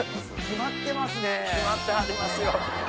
決まってはりますよ。